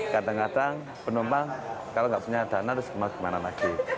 kadang kadang penumpang kalau nggak punya dana harus kemana lagi